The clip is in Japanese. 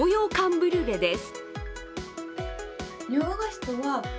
ブリュレです。